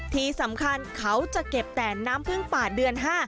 ที่สำคัญเขาจะเก็บแต่น้ำพึ่งป่าเดือน๕